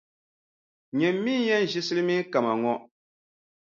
Nyini mi n-yɛn ʒi silimiinʼ kama ŋɔ.